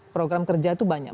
program kerja itu banyak